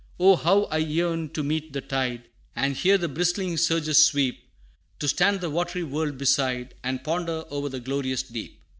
Oh! how I yearned to meet the tide, And hear the bristling surges sweep; To stand the watery world beside, And ponder o'er the glorious deep!